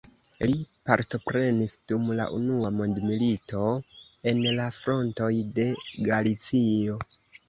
Li partoprenis dum la unua mondmilito en la frontoj de Galicio.